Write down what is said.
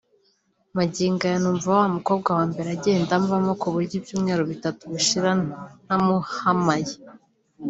Magingo aya numva wa mukobwa wa mbere agenda amvamo kuburyo ibyumweru bitatu bishira nta muhamaye